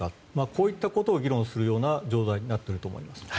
こういったことを議論するような状態になっていると思います。